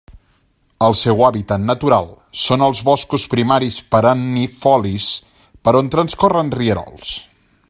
El seu hàbitat natural són els boscos primaris perennifolis per on transcorren rierols.